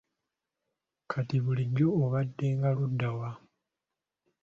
Kati bulijjo obaddenga ludda wa?